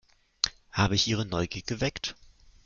Habe ich Ihre Neugier geweckt?